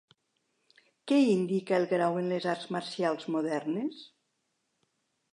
Què indica el grau en les arts marcials modernes?